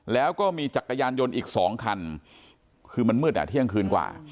แล้วก็มีจักรยานยนต์อีก๒คันคือมันมืดอ่ะเที่ยงคืนกว่า